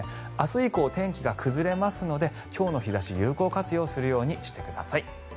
明日以降、天気が崩れますので今日の日差しを有効活用するようにしてください。